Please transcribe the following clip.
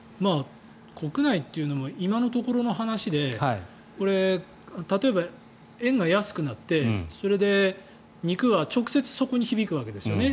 国内というのも今のところの話で例えば、円が安くなってそれで肉は直接そこに響くわけですよね。